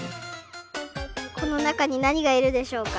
このなかになにがいるでしょうか？